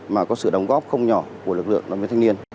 mà có sự đóng góp không nhỏ của lực lượng đồng minh thanh niên